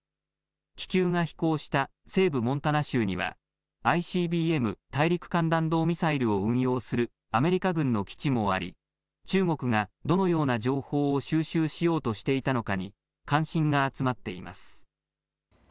気球が飛行した西部モンタナ州にはＩＣＢＭ・大陸間弾道ミサイルを運用するアメリカ軍の基地もあり中国がどのような情報を収集しようとしていたのかに関心が集まっています。